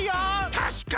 たしかに！